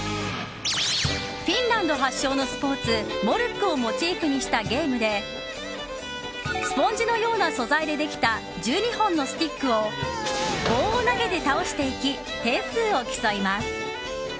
フィンランド発祥のスポーツモルックをモチーフにしたゲームでスポンジのような素材でできた１２本のスティックを棒で投げて倒していき点数を競います。